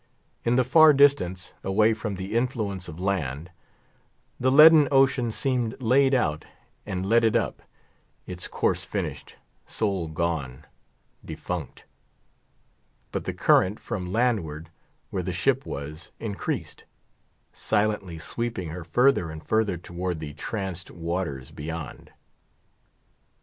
In the far distance, away from the influence of land, the leaden ocean seemed laid out and leaded up, its course finished, soul gone, defunct. But the current from landward, where the ship was, increased; silently sweeping her further and further towards the tranced waters beyond.